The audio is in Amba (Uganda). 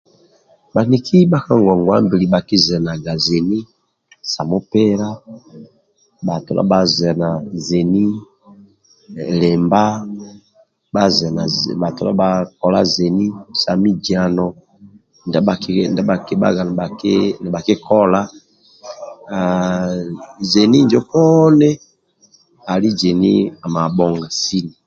Bhaniki ndibha ka gogwabili bhaki zenaga zeni sa mupila bha todha bha zena zeni libha bha zena mujano ndi bha kibhaga nibha kikola aaa zeni njo poni ali zeni amabhoga sini